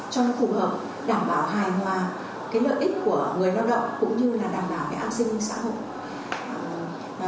cho phù hợp đảm bảo hài hòa lợi ích của người lao động cũng như đảm bảo an sinh xã hội